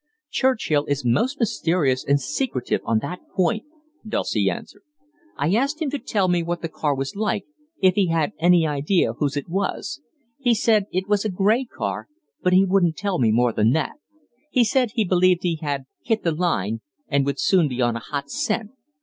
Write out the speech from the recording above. "Churchill is most mysterious and secretive on that point," Dulcie answered. "I asked him to tell me what the car was like, if he had any idea whose it was. He said it was a grey car, but he wouldn't tell me more than that. He said he believed he had 'hit the line,' and would soon be on a 'hot scent.'